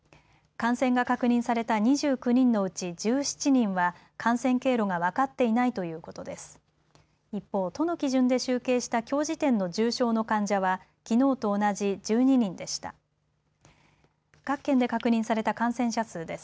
感染が確認された２９人のうち１７人は感染経路が分かっていないということです。